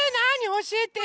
おしえてよ！